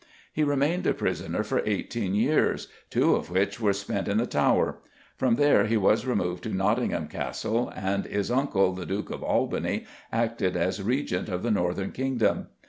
He remained a prisoner for eighteen years, two of which were spent in the Tower; from there he was removed to Nottingham Castle, and his uncle, the Duke of Albany, acted as Regent of the northern kingdom.